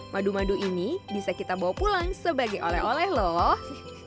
madu madu ini bisa kita bawa pulang sebagai oleh oleh loh